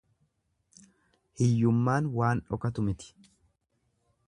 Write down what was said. Hiyyummaan waan dhokatu miti.